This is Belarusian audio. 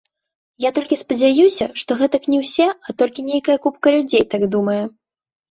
Я толькі спадзяюся, што гэтак не ўсе, а толькі нейкая купка людзей так думае.